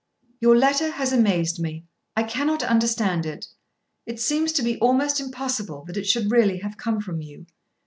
Your letter has amazed me. I cannot understand it. It seems to be almost impossible that it should really have come from you.